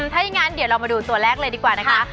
ถ้าอย่างนั้นเดี๋ยวเรามาดูตัวแรกเลยดีกว่านะคะ